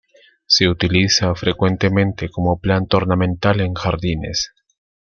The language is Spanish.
Se utiliza frecuentemente como planta ornamental en jardines.